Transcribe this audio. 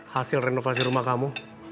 hasil renovasi rumah kamu